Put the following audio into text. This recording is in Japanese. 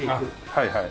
はいはい。